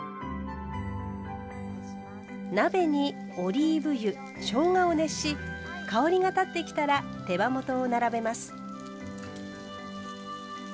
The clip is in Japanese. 鍋にオリーブ油しょうがを熱し香りが立ってきたら手羽元を並べます。